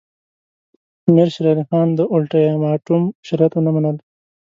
امیر شېر علي خان د اولټیماټوم شرایط ونه منل.